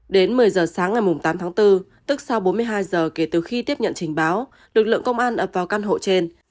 đến một mươi giờ sáng ngày tám tháng bốn tức sau bốn mươi hai giờ kể từ khi tiếp nhận trình báo lực lượng công an ập vào căn hộ trên